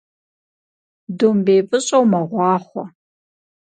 Домбей выщӀэу мэгъуахъуэ.